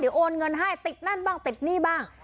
โอนเงินให้ติดนั่นบ้างติดหนี้บ้าง